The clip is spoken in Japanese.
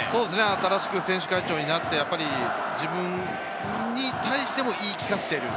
新しく選手会長になって自分に対しても言い聞かせている。